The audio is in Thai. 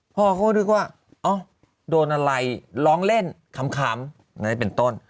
พ่อเขาก็นึกว่าโดนอะไรร้องเล่นขำอันนี้เป็นต้น